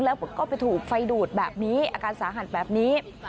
แล้วก็ไปถูกไฟดูดแบบนี้อาการสาหัสแบบนี้